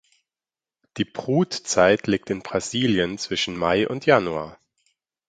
Die Brutzeit liegt in Brasilien zwischen Mai und Januar.